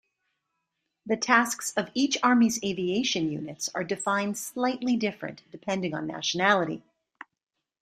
The tasks of each army's aviation units are defined slightly different, depending on nationality.